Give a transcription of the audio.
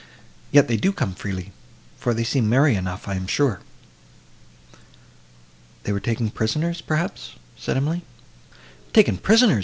Yet they do come freely, for they seem merry enough, I am sure." "They were taken prisoners, perhaps?" said Emily. "Taken prisoners!"